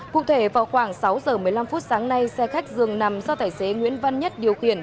cụ thể vào khoảng sáu giờ một mươi năm phút sáng nay xe khách dường nằm do tài xế nguyễn văn nhất điều khiển